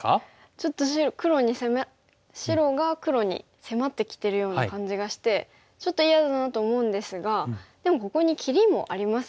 ちょっと白が黒に迫ってきてるような感じがしてちょっと嫌だなと思うんですがでもここに切りもありますし。